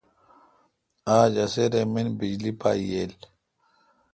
اج اسی ریمن بجلی پا ییل۔